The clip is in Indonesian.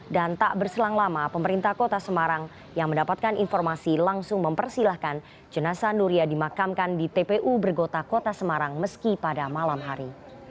dan tak berselang lama pemerintah kota semarang yang mendapatkan informasi langsung mempersilahkan jenazah nuriya dimakamkan di tpu bergota kota semarang meski pada malam hari